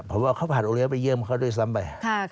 เพราะเขาผ่านโอเลียไปเยื่อมเขาด้วยซ้ำไป